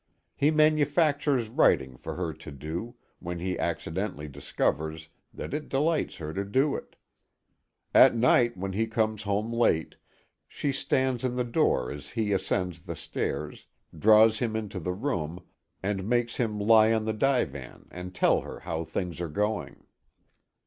He manufactures writing for her to do, when he accidentally discovers that it delights her to do it. At night, when he comes home late, she stands in her door as he ascends the stairs, draws him into the room, and makes him lie on the divan and tell her how things are going.